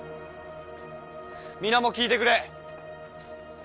皆も聞いてくれ。